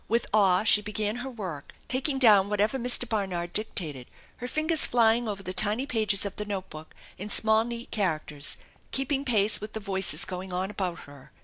With awe she began her work, taking down whatever Mr. Barnard dictated, her fingers fly ing over the tiny pages of the note book, in small neat char acters, keeping pace with the voices going on abeut her.